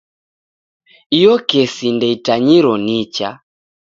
Iyo kesi ndeitanyiro nicha.